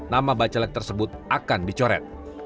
nama bakal calon tersebut akan dicoret